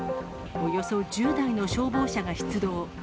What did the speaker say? およそ１０台の消防車が出動。